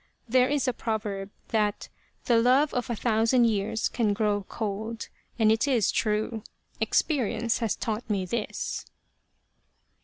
There is a proverb that ' the love of a thousand years can grow cold,' and it is true. Experience has taught me this."